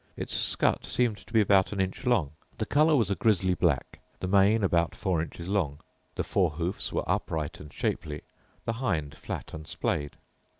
Its scut seemed to be about an inch long; the colour was a grizzly black; the mane about four inches long; the fore hoofs were upright and shapely, the hind flat and splayed.